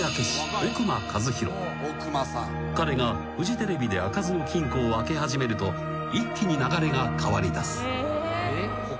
［彼がフジテレビで開かずの金庫を開け始めると一気に流れが変わりだす］